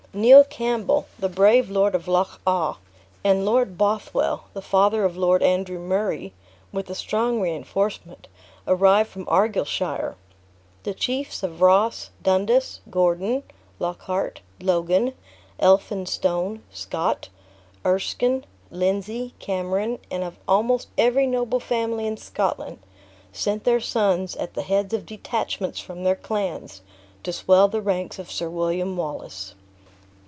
Neil Campbell, the brave Lord of Loch awe, and Lord Bothwell, the father of Lord Andrew Murray, with a strong reinforcement, arrived from Argyleshire. The chiefs of Ross, Dundas, Gordon, Lockhart, Logan, Elphinstone, Scott, Erskine, Lindsay, Cameron, and of almost every noble family in Scotland, sent their sons at the heads of detachments from their clans, to swell the ranks of Sir William Wallace.